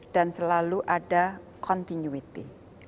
dan selalu ada continuity